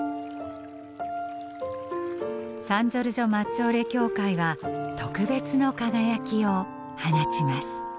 サン・ジョルジョ・マッジョーレ教会は特別の輝きを放ちます。